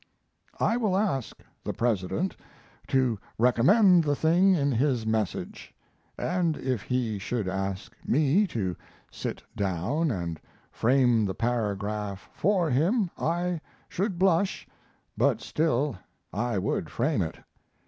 I will ask the President to recommend the thing in his message (and if he should ask me to sit down and frame the paragraph for him I should blush, but still I would frame it).